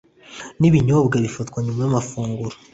nibinyobwa bifatwa nyuma yamafunguro